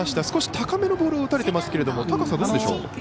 少し高めのボールを打たれていますが高さ、どうでしょう？